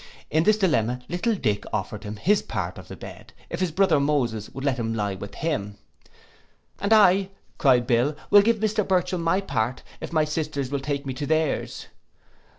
In this dilemma, little Dick offered him his part of the bed, if his brother Moses would let him lie with him; 'And I,' cried Bill, 'will give Mr Burchell my part, if my sisters will take me to theirs.